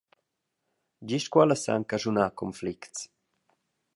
Gest quellas san caschunar conflicts.